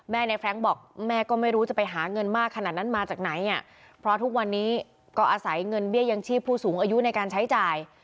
ในแฟรงค์บอกแม่ก็ไม่รู้จะไปหาเงินมากขนาดนั้นมาจากไหนอ่ะเพราะทุกวันนี้ก็อาศัยเงินเบี้ยยังชีพผู้สูงอายุในการใช้จ่าย